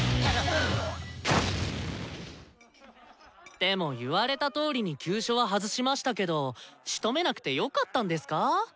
でも言われたとおりに急所は外しましたけどしとめなくてよかったんですか？